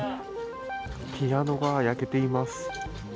ピアノが焼けています。